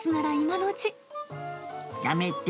やめて。